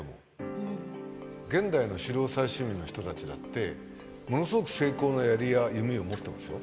現代の狩猟採集民の人たちだってものすごく精巧な槍や弓を持ってますよ。